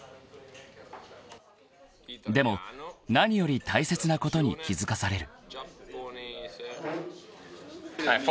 ［でも何より大切なことに気付かされる］